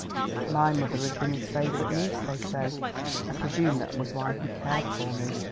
My mother had been his favorite niece, they say; I presume that was why he cared for me.